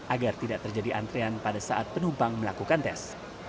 agar tidak terjadi antrean pada saat penumpang melakukan tes